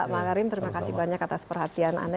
makarim terima kasih banyak atas perhatian anda